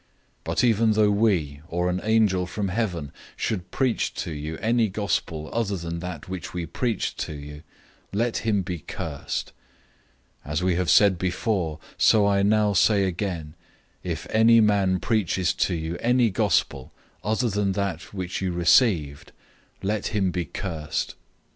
001:008 But even though we, or an angel from heaven, should preach to you any "good news" other than that which we preached to you, let him be cursed. 001:009 As we have said before, so I now say again: if any man preaches to you any "good news" other than that which you received, let him be cursed.